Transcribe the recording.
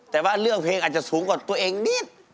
แต่ว่าเรื่องเพลงอาจจะสูงกว่าตัวเองนิด